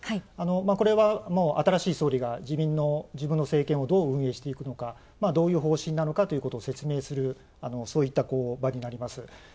これは、新しい総理が自分の政権をどう運営していくのか、どういう方針なのか説明する、そういった場になります。